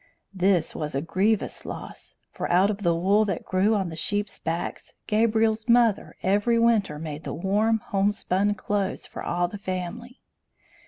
This was a grievous loss, for out of the wool that grew on the sheeps' backs, Gabriel's mother every winter made the warm, homespun clothes for all the family.